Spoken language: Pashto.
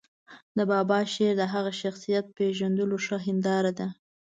د بابا شعر د هغه شخصیت پېژندلو ښه هنداره ده.